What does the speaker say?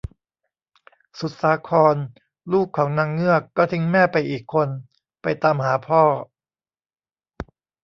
สุดสาคร ลูกของนางเงือกก็ทิ้งแม่ไปอีกคน ไปตามหาพ่อ